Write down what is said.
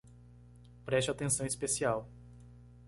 Preste atenção especial